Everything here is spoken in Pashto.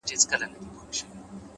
وخت د هر چا لپاره برابر شتمن دی’